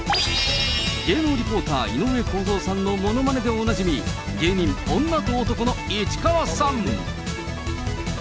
芸能リポーター、井上公造さんのものまねでおなじみ、芸人、女と男の市川さん。